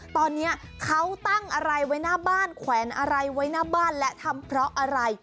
ตอนนี้เขาตั้งอะไรไว้หน้าบ้านแขวนอะไรไว้หน้าบ้านและทำเพราะอะไร